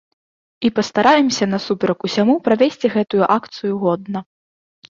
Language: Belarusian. І пастараемся насуперак усяму правесці гэтую акцыю годна.